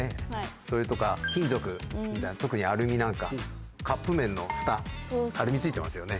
それとか金属、特にアルミなんかカップ麺のふた、アルミついてますよね。